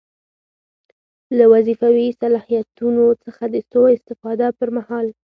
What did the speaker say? له وظیفوي صلاحیتونو څخه د سوء استفادې پر مهال.